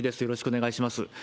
よろしくお願いします。